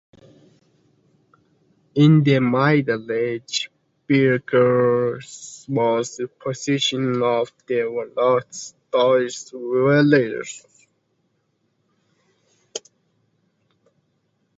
In the Middle Ages, Birieux was a possession of the lords of Thoire-Villars.